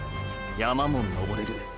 山も登れる。